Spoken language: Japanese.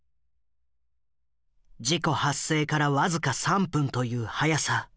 事故発生から僅か３分という早さ。